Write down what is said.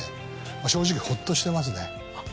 正直ホッとしてますね。